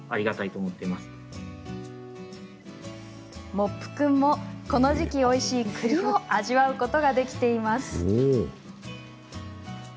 モップ君も、この時期おいしいくりを味わうことができています。